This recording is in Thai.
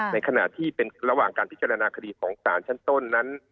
ในขณะที่เป็นระหว่างการพิจารณาคดีของสารชั้นต้นนั้น